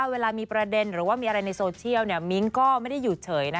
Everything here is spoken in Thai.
เที่ยวเนี่ยมิ้งก็ไม่ได้หยุดเฉยนะฮะ